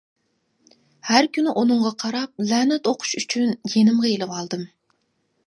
ھەر كۈنى ئۇنىڭغا قاراپ لەنەت ئوقۇش ئۈچۈن يېنىمغا ئېلىۋالدىم.